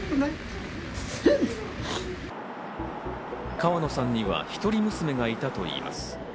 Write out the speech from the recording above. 川野さんには１人娘がいたといいます。